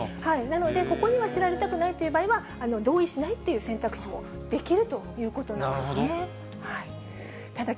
なので、ここには知られたくない場合には同意しないという選択肢もできるということなんですなるほど。